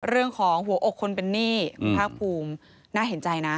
เรื่องของหัวอกคนเป็นหนี้พระภูมิน่าเห็นใจนะ